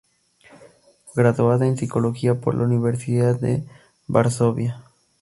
Graduada en psicología por la Universidad de Varsovia.